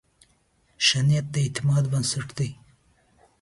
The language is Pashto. ښه نیت د اعتماد بنسټ دی.